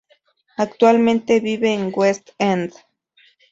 Actualmente vive en West End.